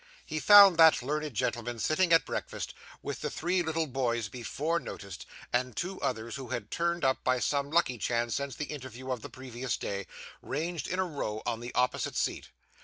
He found that learned gentleman sitting at breakfast, with the three little boys before noticed, and two others who had turned up by some lucky chance since the interview of the previous day, ranged in a row on the opposite seat.